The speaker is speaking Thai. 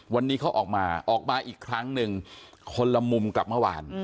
วันนี้เขาออกมาออกมาอีกครั้งหนึ่งคนละมุมกับเมื่อวาน